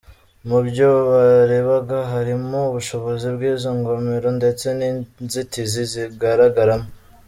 Mu byo barebaga harimo ubushobozi bw’izo ngomero ndetse n’inzitizi zigaragaramo.